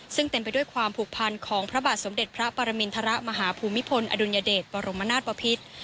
ซึ่งเต็มไปด้วยความผูกพันของพระบาทสมเด็จพระปรมินทรมาฮภูมิพลอดุลยเดชบรมนาศปภิษ